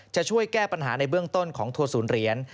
จะช่วยแก้ปัญหาในเบื้องต้นของทัวร์ศูนย์เหรียญ